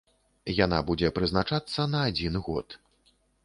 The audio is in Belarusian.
Яна будзе прызначацца на адзін год.